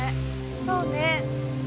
そうね。